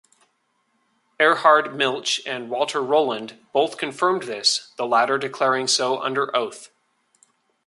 Erhard Milch and Walter Rohland both confirmed this, the latter declaring so under oath.